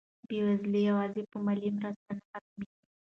بېوزلي یوازې په مالي مرستو نه ختمېږي.